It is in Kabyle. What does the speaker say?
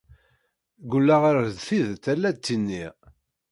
Ggulleɣ ar d tidet ay la d-ttiniɣ.